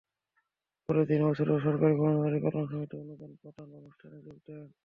পরে তিনি অবসরপ্রাপ্ত সরকারি কর্মচারী কল্যাণ সমিতির অনুদান প্রদান অনুষ্ঠানে যোগ দেন।